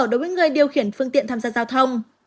đối với người điều khiển phương tiện tham gia giao thông